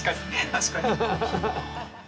確かに。